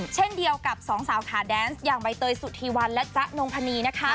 เช่นเดียวกับสองสาวขาแดนส์อย่างใบเตยสุธีวันและจ๊ะนงพนีนะคะ